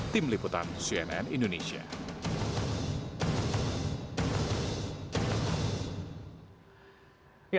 tim liputan cnn indonesia